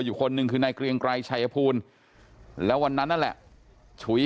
อยู่คนหนึ่งคือนายเกรียงไกรชัยภูลแล้ววันนั้นนั่นแหละฉุย